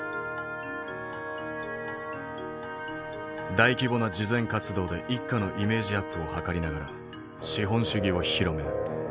大規模な慈善活動で一家のイメージアップを図りながら資本主義を広める。